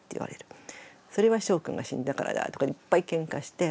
それはしょうくんが死んだからだとかいっぱいケンカして。